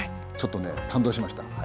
ちょっとね感動しました。